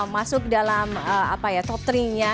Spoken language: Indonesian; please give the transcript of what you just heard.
masuk dalam top tiga nya